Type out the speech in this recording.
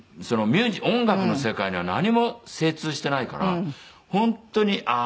音楽の世界には何も精通していないから本当にあ